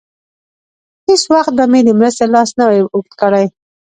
هېڅ وخت به مې د مرستې لاس نه وای اوږد کړی.